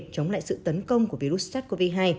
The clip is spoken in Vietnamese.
chống lại sự tấn công của virus sars cov hai